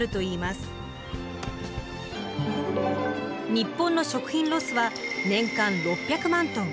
日本の食品ロスは年間６００万ｔ。